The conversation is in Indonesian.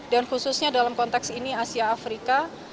dan khususnya dalam konteks ini asia afrika